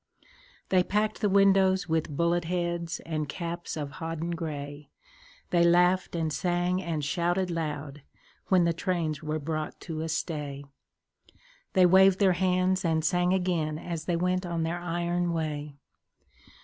They packed the windows with bullet heads And caps of hodden gray; They laughed and sang and shouted loud When the trains were brought to a stay; They waved their hands and sang again As they went on their iron way.